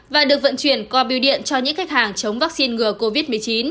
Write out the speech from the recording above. và được vận chuyển qua biêu điện cho những khách hàng chống vaccine ngừa covid một mươi chín